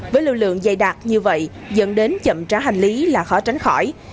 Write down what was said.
với lưu lượng dày đạt như vậy dẫn đến chậm trả hành lý là khó tránh khỏi